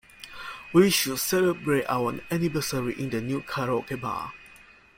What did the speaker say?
We should celebrate our anniversary in the new karaoke bar.